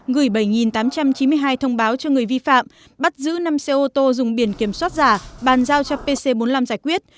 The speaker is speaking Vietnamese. gửi bảy tám trăm chín mươi hai thông báo cho người vi phạm bắt giữ năm xe ô tô dùng biển kiểm soát giả bàn giao cho pc bốn mươi năm giải quyết